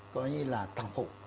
coi như là tàng phụ